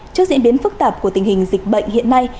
trước diễn biến phức tạp của tình hình dịch bệnh hiện nay